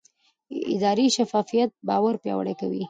اداري شفافیت باور پیاوړی کوي